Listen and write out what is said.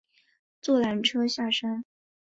坐缆车下山